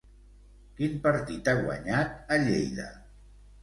Quin partit ha guanyat a Lleida?